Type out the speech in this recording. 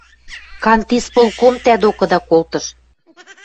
Кантисполком тӓ докыда колтыш.